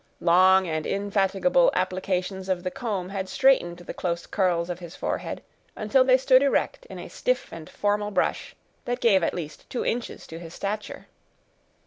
Long and indefatigable applications of the comb had straightened the close curls of his forehead, until they stood erect in a stiff and formal brush, that gave at least two inches to his stature.